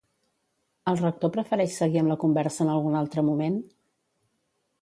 El Rector prefereix seguir amb la conversa en algun altre moment?